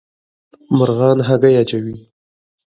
مرغان هګۍ اچوي